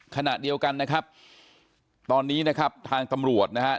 ขณะเดียวกันนะครับตอนนี้นะครับทางตำรวจนะครับ